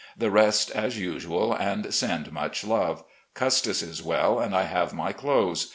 The rest as usual, and send much love. Custis is well, and I have my clothes.